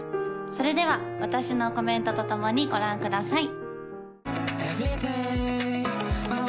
それでは私のコメントと共にご覧ください